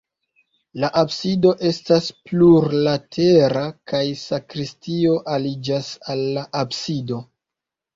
La absido estas plurlatera kaj sakristio aliĝas al la absido.